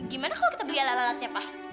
gimana kalau kita beli alat alatnya pak